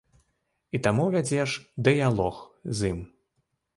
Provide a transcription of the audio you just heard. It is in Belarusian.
І таму вядзеш дыялог з ім.